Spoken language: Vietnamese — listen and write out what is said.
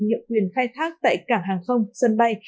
nhận quyền khai thác tại cảng hàng không sân bay